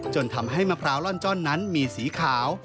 จนทำให้มะพร้าวล่อนจ้อนนั้นมีสีขาว